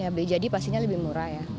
ya b jadi pastinya lebih murah ya